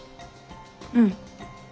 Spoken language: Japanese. うん。